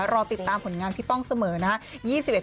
รอติดตามผลงานพี่ป้องเสมอนะครับ